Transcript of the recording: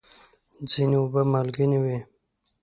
ځینې اوبه مالګینې وي.